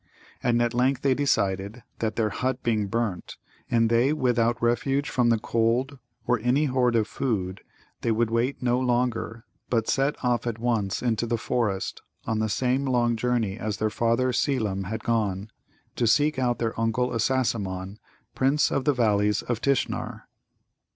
And at length they decided that, their hut being burnt, and they without refuge from the cold, or any hoard of food, they would wait no longer, but set off at once into the forest on the same long journey as their father Seelem had gone, to seek out their Uncle Assasimmon, Prince of the Valleys of Tishnar.